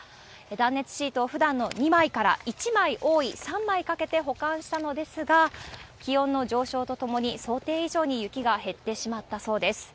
断熱シートをふだんの２枚から１枚多い３枚かけて保管したのですが、気温の上昇とともに、想定以上に雪が減ってしまったそうです。